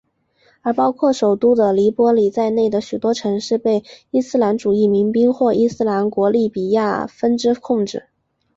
而包括首都的黎波里在内的许多城市被伊斯兰主义民兵或伊斯兰国利比亚分支控制。